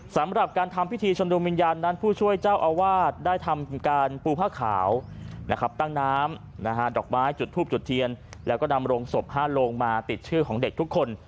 สำหรับการทำพิธีชนดูวิญญาณนั้นผู้ช่วยเจ้าอาวาสได้ทำการปูผ้าขาวนะครับตั้งน้ำดอกไม้จุดทูบจุดเทียนแล้วก็นำโรงศพ๕โลงมาติดชื่อของเด็กทุกคน